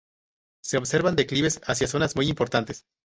Se observan declives hacia zonas muy importantes.